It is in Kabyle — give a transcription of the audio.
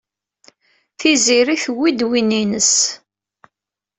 Tiziri tuwey-d win-nnes.